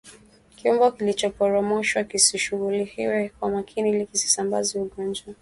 Kiumbe kilichoporomoshwa kishughulikiwe kwa makini ili kisisambaze ugonjwa